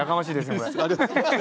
これ。